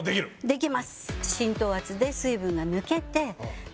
できます